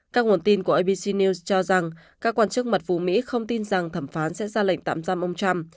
các nguồn tin của abc news cho rằng các quan chức mật phủ mỹ không tin rằng thẩm phán sẽ ra lệnh tạm giam ông trump